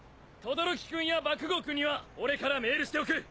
轟君や爆豪君には俺からメールしておく。